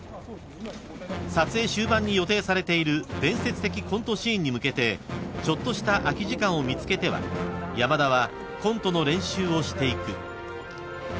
［撮影終盤に予定されている伝説的コントシーンに向けてちょっとした空き時間を見つけては山田はコントの練習をしていく］